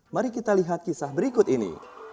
mari kita lihat kisah berikut ini